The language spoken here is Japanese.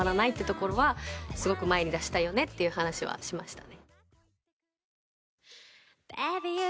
ところはすごく前に出したいよねって話はしましたね。